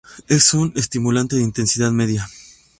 Es un estimulante de intensidad media.